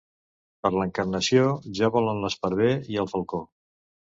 Per l'Encarnació ja volen l'esparver i el falcó.